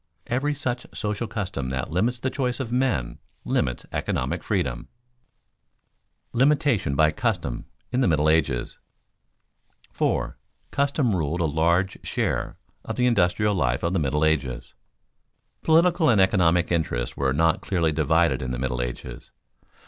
Every such social custom that limits the choice of men limits economic freedom. [Sidenote: Limitation by custom in the Middle Ages] 4. Custom ruled a large share of the industrial life of the Middle Ages. Political and economic interests were not clearly divided in the Middle Ages.